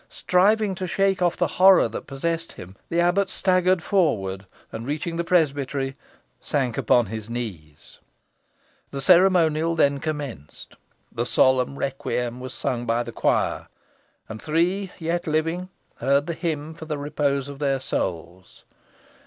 Striving to shake off the horror that possessed him, the abbot staggered forward, and reaching the presbytery, sank upon his knees. The ceremonial then commenced. The solemn requiem was sung by the choir; and three yet living heard the hymn for the repose of their souls.